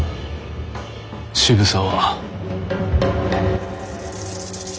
渋沢。